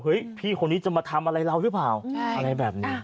พี่คนนี้จะมาทำอะไรเราหรือเปล่าอะไรแบบนี้